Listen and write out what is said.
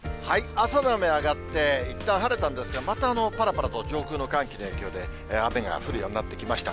朝の雨は上がって、いったん晴れたんですが、またぱらぱらと、上空の寒気の影響で、雨が降るようになってきました。